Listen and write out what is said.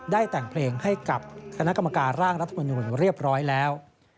แต่งเพลงให้กับคณะกรรมการร่างรัฐมนุนเรียบร้อยแล้ว